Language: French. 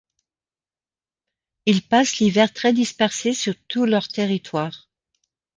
Ils passent l'hiver très dispersés sur tout leur territoire.